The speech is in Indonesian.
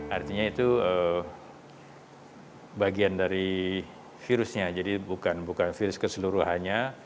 artinya itu bagian dari virusnya jadi bukan virus keseluruhannya